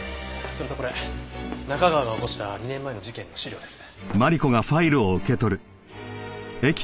それとこれ中川が起こした２年前の事件の資料です。